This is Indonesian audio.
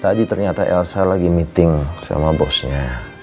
tadi ternyata elsa lagi meeting sama bosnya